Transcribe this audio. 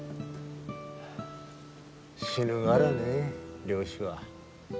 死ぬがらね漁師は。